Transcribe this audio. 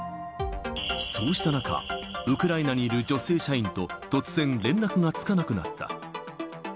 そうした中、ウクライナにいる女性社員と、突然連絡がつかなくなった。